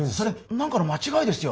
何かの間違いですよ